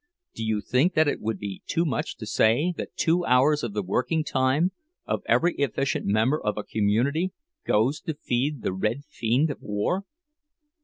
Do you think that it would be too much to say that two hours of the working time of every efficient member of a community goes to feed the red fiend of war?"